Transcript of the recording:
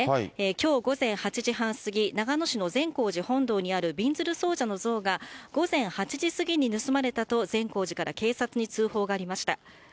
きょう午前８時半過ぎ、長野市の善光寺本堂にあるびんずる尊者の像が、午前８時過ぎに盗まれたと、善光寺から警察に通報がありました。